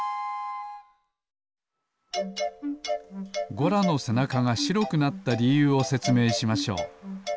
ゴラのせなかがしろくなったりゆうをせつめいしましょう。